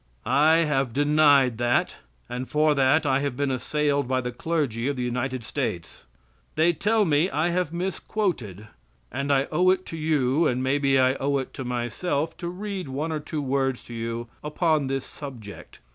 I have denied that and for that I have been assailed by the clergy of the United States. They tell me I have misquoted; and I owe it to you, and maybe I owe it to myself, to read one or two words to you upon this subject.